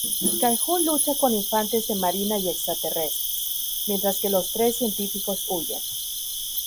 Calhoun lucha con infantes de marina y extraterrestres, mientras que los tres científicos huyen.